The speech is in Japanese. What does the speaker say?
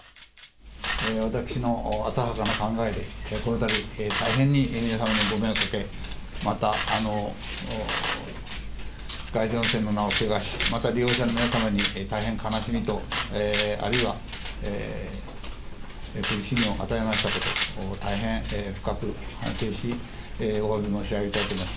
私の浅はかな考えで、このたび、大変に皆さんにご迷惑をかけ、また、二日市温泉の名をけがし、また利用者の皆様に大変な悲しみと、あるいは苦しみを与えましたこと、大変深く反省し、おわび申し上げたいと思います。